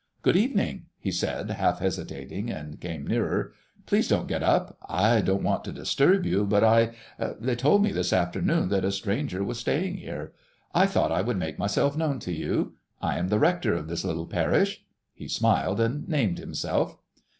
"Good evening," he said, half hesitating, and came nearer. "Please don't get up.... I don't want to disturb you, but I—they told me this afternoon that a stranger was staying here. I thought I would make myself known to you: I am the rector of this little parish." He smiled and named himself.